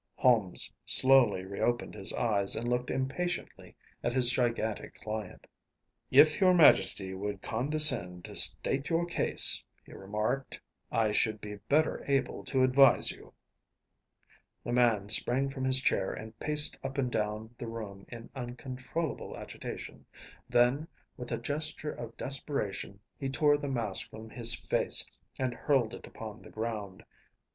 Holmes slowly reopened his eyes and looked impatiently at his gigantic client. “If your Majesty would condescend to state your case,‚ÄĚ he remarked, “I should be better able to advise you.‚ÄĚ The man sprang from his chair and paced up and down the room in uncontrollable agitation. Then, with a gesture of desperation, he tore the mask from his face and hurled it upon the ground.